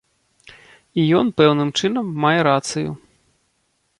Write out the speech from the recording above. І ён пэўным чынам мае рацыю.